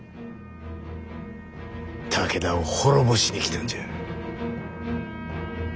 武田を滅ぼしに来たんじゃ。